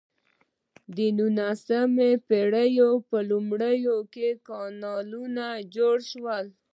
د نولسمې پیړۍ په لومړیو کې کانالونه جوړ شول.